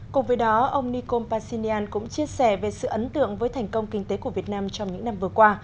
cùng với đó ông nikol pashinyan cũng chia sẻ về sự ấn tượng với thành công kinh tế của việt nam trong những năm vừa qua